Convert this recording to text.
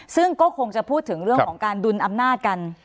ซึ่งก็คงจะพูดถึงเรื่องของการดุลอำนาจกัน